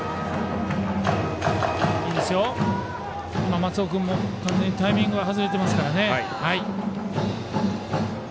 今、松尾君も完全にタイミング外れてますから。